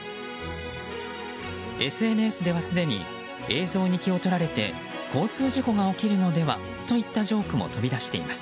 ＳＮＳでは、すでに映像に気を取られて交通事故が起きるのではといったジョークも飛び出しています。